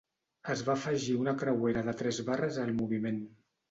Es va afegir una creuera de tres barres al moviment.